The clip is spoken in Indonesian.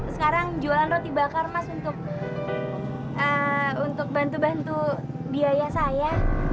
sekarang jualan roti bakar mas untuk bantu bantu biaya saya